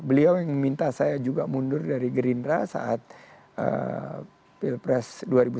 beliau yang minta saya juga mundur dari gerindra saat pilpres dua ribu sembilan belas